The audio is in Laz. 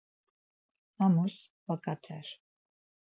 Amus vaǩater.